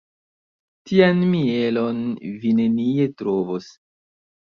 Tian mielon vi nenie trovos.